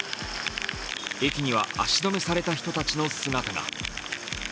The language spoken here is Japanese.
駅には足止めされた人たちの姿が。